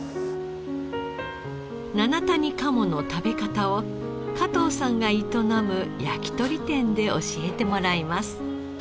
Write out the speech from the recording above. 七谷鴨の食べ方を加藤さんが営む焼き鳥店で教えてもらいます。